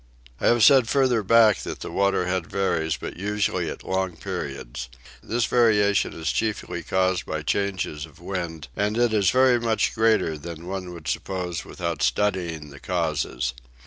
I have said further back that the water head varies, but usually at long periods. This variation is chiefly caused by changes of wind, and it is very much greater than one would suppose without studying the causes.